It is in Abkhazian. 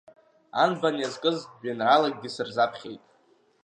Анбан иазкыз жәеинраалакгьы сырзаԥхьеит.